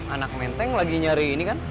anak menteng lagi nyari ini kan